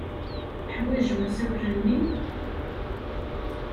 Teḥwajem asawal-nni?